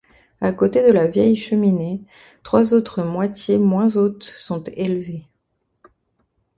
À côté de la vieille cheminée, trois nouvelles moitié moins hautes sont élevées.